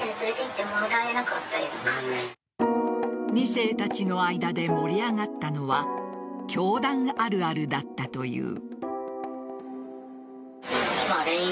２世たちの間で盛り上がったのは教団あるあるだったという。